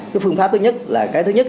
cái phương pháp thứ nhất là cái thứ nhất